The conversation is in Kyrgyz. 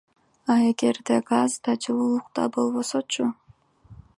А эгерде газ да, жылуулук да болбосочу?